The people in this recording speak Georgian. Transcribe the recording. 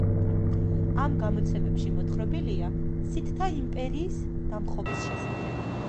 ამ გამოცემებში მოთხრობილია სითთა იმპერიის დამხობის შესახებ.